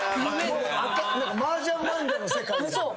マージャン漫画の世界やん。